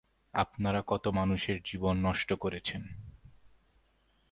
আপনারা কত মানুষের জীবন নষ্ট করেছেন?